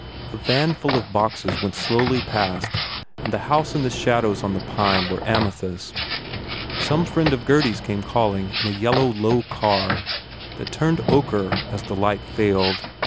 A van full of boxes went slowly past the house and the shadows on the pine were amethyst. Some friend of Gurdy s came calling in a yellow, low car that turned ochre as the light failed.